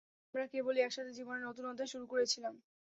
আমরা কেবলই একসাথে জীবনের নতুন অধ্যায় শুরু করেছিলাম।